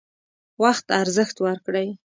وخت ارزښت ورکړئ